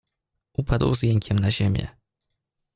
"Upadł z jękiem na ziemię."